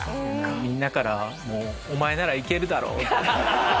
みんなからもう「お前ならいけるだろう」って。